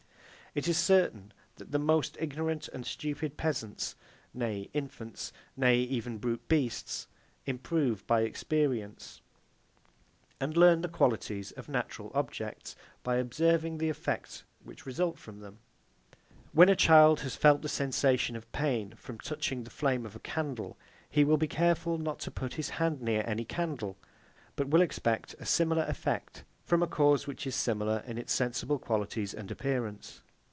It is certain that the most ignorant and stupid peasants nay infants, nay even brute beasts improve by experience, and learn the qualities of natural objects, by observing the effects which result from them. When a child has felt the sensation of pain from touching the flame of a candle, he will be careful not to put his hand near any candle; but will expect a similar effect from a cause which is similar in its sensible qualities and appearance.